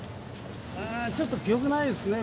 ちょっと記憶ないですね。